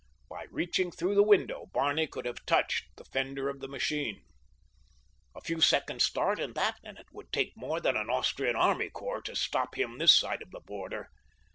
By reaching through the window Barney could have touched the fender of the machine. A few seconds' start in that and it would take more than an Austrian army corps to stop him this side of the border.